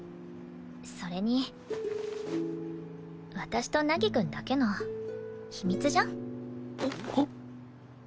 それに私と凪くんだけの秘密じゃん。